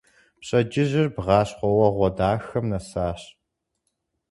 Пщэдджыжьыр бгъащхъуэуэгъуэ дахэм нэсащ.